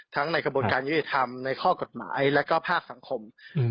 ทั้งในกระบบการยูริธรรมในข้อกฎหมายและก็ภาคสังคม